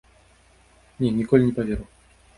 Не, ніколі не паверу!